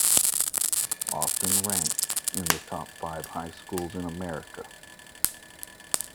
Often ranked in the top five high schools in America.